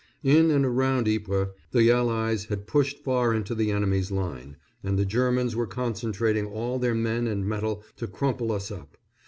In and around Ypres, the Allies had pushed far into the enemy's line, and the Germans were concentrating all their men and metal to crumple us up.